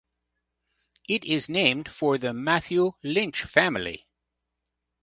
It is named for the Matthew Lynch family.